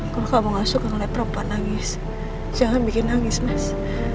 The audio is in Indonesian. kalau kamu gak suka oleh perempuan nangis jangan bikin nangis mas